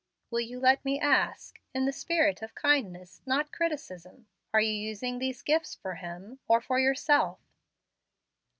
Will you let me ask, in the spirit of kindness, not criticism, Are you using these gifts for Him, or for yourself?"